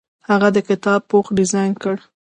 هغه د کتاب پوښ ډیزاین کړ.